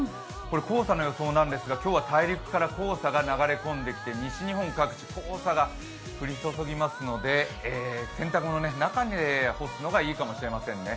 黄砂の予想なんですが、今日は大陸から黄砂が流れ込んで西日本各地、黄砂が降り注ぎますので洗濯物、中に干すのがいいかもしれませんね。